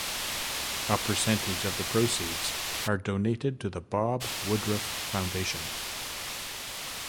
A percentage of the proceeds are donated to the Bob Woodruff Foundation.